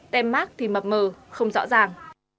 tem mát thì mập mờ không rõ ràng